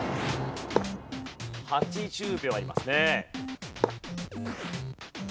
８０秒ありますね。